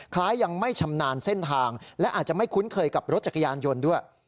ยังไม่ชำนาญเส้นทางและอาจจะไม่คุ้นเคยกับรถจักรยานยนต์ด้วย